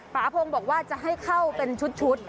าพงศ์บอกว่าจะให้เข้าเป็นชุด